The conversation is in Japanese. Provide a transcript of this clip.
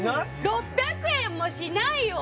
６００円もしないよ